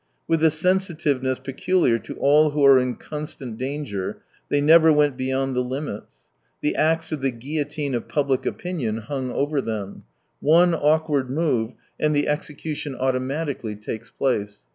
With the sensitiveness peculiar to all who are in constant danger, they never went beyond the limits.. The ^xe of the guillotine of public opinion hung over them : one awkward move, and the execution autpmaticajly takes place.